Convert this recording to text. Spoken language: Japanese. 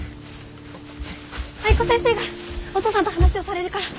藍子先生がお父さんと話をされるから。